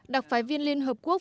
đặc phái viên liên hợp quốc